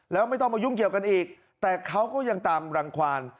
แล้วไม่ต้องมายุ่งเกี่ยวกันอีกแต่เขาก็ยังตามรังความ